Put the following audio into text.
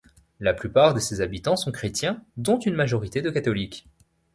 La plupart de ses habitants sont chrétiens dont une majorité de catholiques.